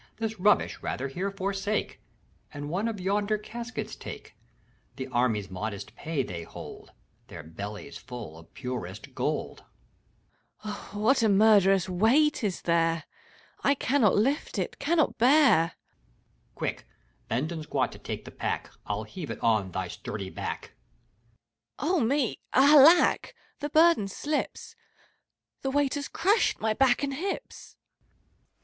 This rubbish, rather, here forsake, And one of yonder caskets take ! The army's modest pay they hold, Their bellies full of purest gold. SPEEDBOOTY. what a murderous weight is there ! 1 cannot lift it, cannot bear. HAVEQUICK. Quick, bend and squat to take the pack! I'll heave it on thy sturdy back. 214 FAU8T. SPEEDBOOTT. me ! Alack ! the burden slips : The weight has crushed my back and hips.